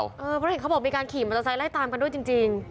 เพราะเห็นเขาบอกมีการขี่มอเตอร์ไซค์ไล่ตามกันด้วยจริง